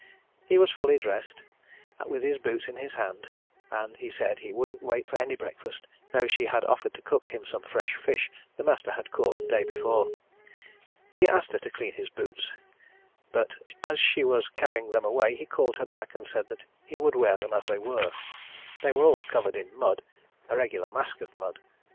He was fully dressed, with his boots in his hand, and he said he wouldn't wait for any breakfast, though she had offered to cook him some fresh fish the master had caught the day before. He asked her to clean his boots, but as she was carrying them away he called her back and said he would wear them as they were. They were all covered with mud a regular mask of mud.